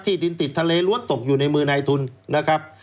ดินติดทะเลล้วนตกอยู่ในมือนายทุนนะครับ